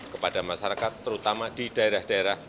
kepada masyarakat terutama di daerah daerah